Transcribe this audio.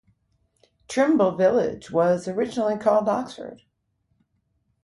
Trimble village was originally called Oxford.